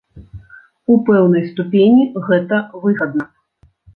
У пэўнай ступені гэта выгадна.